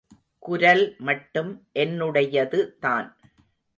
குரல் மட்டும் என்னுடையதுதான்.